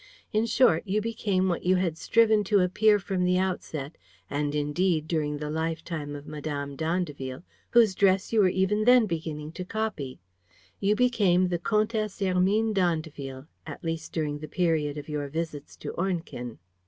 In short, you became what you had striven to appear from the outset and indeed during the lifetime of Mme. d'Andeville, whose dress you were even then beginning to copy: you became the Comtesse Hermine d'Andeville, at least during the period of your visits to Ornequin.